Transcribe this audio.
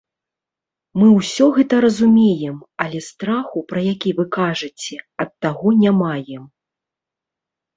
Мы ўсё гэта разумеем, але страху, пра які вы кажаце, ад таго не маем.